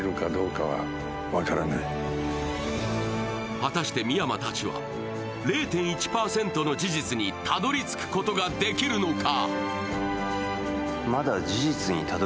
果たして深山たちは０．１％の事実にたどり着くことができるのか。